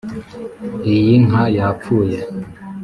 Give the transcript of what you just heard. iyi nka yapfuye.